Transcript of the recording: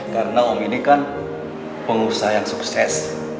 karena om ini kan pengusaha yang sukses